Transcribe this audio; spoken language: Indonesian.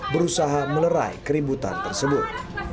berusaha melerai keributan tersebut